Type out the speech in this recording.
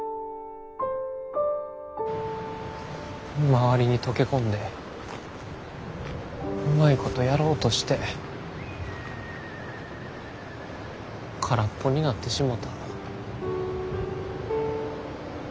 周りに溶け込んでうまいことやろうとして空っぽになってしもた。